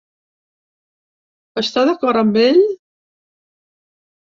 Està d’acord amb ell?